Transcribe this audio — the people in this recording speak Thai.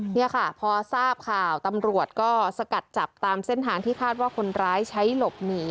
นี่ค่ะพอทราบข่าวตำรวจก็สกัดจับตามเส้นทางที่คาดว่าคนร้ายใช้หลบหนี